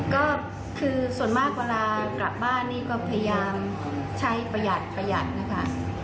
ก็คือส่วนมากเวลากลับบ้านพยายามใช้ประหยัดนะคะ